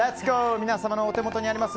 皆様のお手元にあります